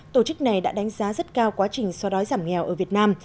tổ chức này đã đánh giá rất cao quá trình so đói giảm nghèo ở việt nam